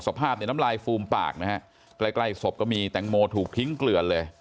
สภาพเนี่ยน้ำลายฟูมปากนะฮะใกล้ใกล้ศพก็มีแตงโมถูกทิ้งเกลือนเลย